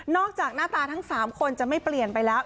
จากหน้าตาทั้ง๓คนจะไม่เปลี่ยนไปแล้ว